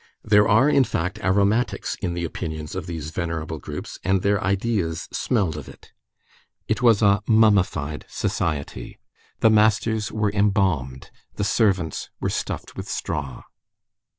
There are, in fact, aromatics in the opinions of these venerable groups, and their ideas smelled of it. It was a mummified society. The masters were embalmed, the servants were stuffed with straw.